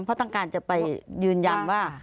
เพราะต้องการจะไปยืนยันว่า